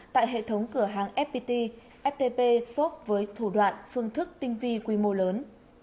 tại hệ thống cửa hàng fpt ftp sốt với thủ đoạn phương thức tinh vi quy mô lớn